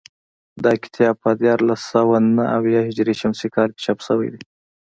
دا کتاب په دیارلس سوه نهه اویا هجري شمسي کال کې چاپ شوی دی